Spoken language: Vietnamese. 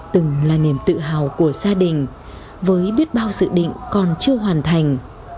từng là niềm tự hào của gia đình với biết bao dự định còn chưa hoàn thành